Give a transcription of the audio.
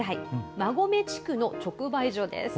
馬込地区の直売所です。